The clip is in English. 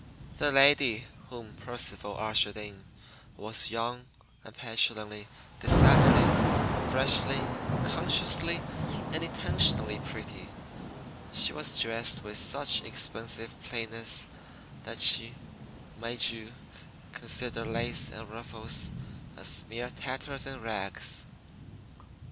The lady whom Percival ushered in was young and petulantly, decidedly, freshly, consciously, and intentionally pretty. She was dressed with such expensive plainness that she made you consider lace and ruffles as mere tatters and rags.